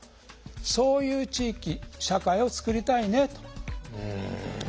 そういう地域社会を作りたいねと。